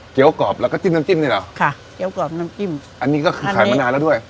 กรอบแล้วก็จิ้มน้ำจิ้มนี่เหรอค่ะเกี้ยวกรอบน้ำจิ้มอันนี้ก็คือขายมานานแล้วด้วย